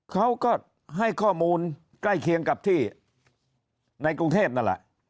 เขาก็ให้ข้อมูลใกล้เคียงกับที่ในกรุงเทพนั่นแหละ